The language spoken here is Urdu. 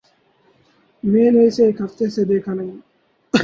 میں نے اسے ایک ہفتے سے دیکھا نہیں۔